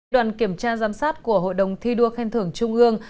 đoàn kiểm tra giám sát của hội đồng thi đua khen thưởng trung ương